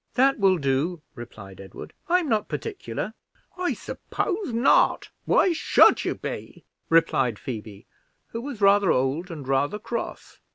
"That will do," replied Edward; "I'm not particular." "I suppose not. Why should you be?" replied Phoebe, who was rather old and rather cross.